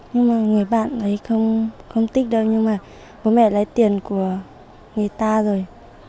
nhưng mà người bạn ấy không tích đâu nhưng mà bố mẹ lấy tiền của người ta rồi